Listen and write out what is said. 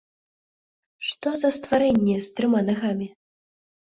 Што за стварэнне з трыма нагамі?